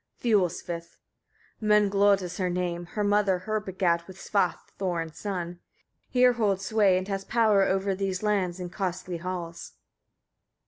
Fiolsvith. 9. Menglod is her name, her mother her begat with Svaf, Thorin's son. She here holds sway, and has power over these lands and costly halls.